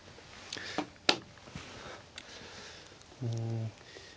うん。